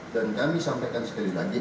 dan kami sampaikan sekali lagi